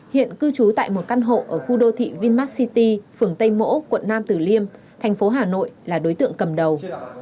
hiện cư trú tại một căn hộ ở khu đô thị vinmark city phường tây mỗ quận nam tử liêm thành phố hà nội là đối tượng cầm đầu